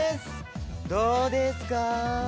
どうですか？